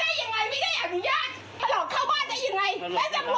เลยอ่าไม่ไหลอ่ะ